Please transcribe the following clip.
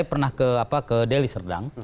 pernah ke delhi serdang